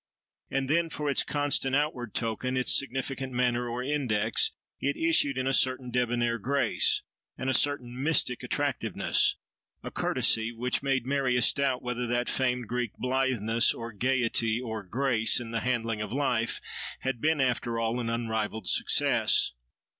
And then, for its constant outward token, its significant manner or index, it issued in a certain debonair grace, and a certain mystic attractiveness, a courtesy, which made Marius doubt whether that famed Greek "blitheness," or gaiety, or grace, in the handling of life, had been, after all, an unrivalled success.